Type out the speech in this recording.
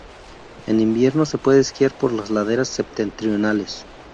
En invierno se puede esquiar por las laderas septentrionales.